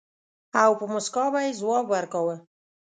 او په مُسکا به يې ځواب ورکاوه.